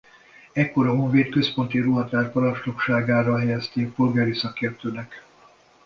Ekkor a honvéd központi ruhatár parancsnokságára helyezték polgári szakértőnek.